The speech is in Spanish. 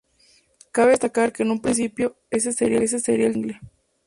Cabe destacar que en un principio este sería el tercer single.